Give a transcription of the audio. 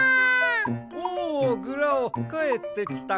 おおグラオかえってきたか。